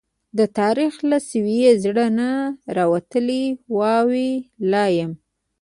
د تاريخ له سوي زړه نه، راوتلې واوي لا يم